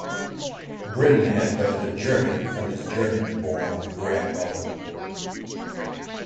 Britton had learned German from his German-born grandmother.